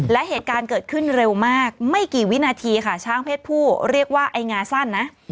และเหตุการณ์เกิดขึ้นเร็วมากไม่กี่วินาทีค่ะช้างเพศผู้เรียกว่าไอ้งาสั้นนะ